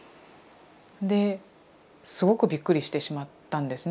ですごくびっくりしてしまったんですね。